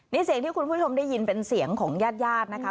นี่เสียงที่คุณผู้ชมได้ยินเป็นเสียงของญาติญาตินะคะ